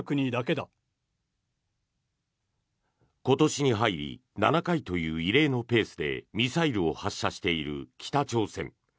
今年に入り７回という異例のペースでミサイルを発射している北朝鮮。